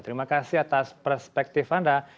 terima kasih atas perspektif anda